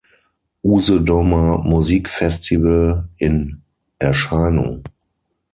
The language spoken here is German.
Usedomer Musikfestival in Erscheinung.